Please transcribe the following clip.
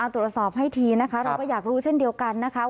ตรวจสอบให้ทีนะคะเราก็อยากรู้เช่นเดียวกันนะคะ